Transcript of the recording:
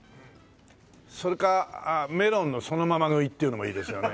それかメロンのそのまま食いっていうのもいいですよね。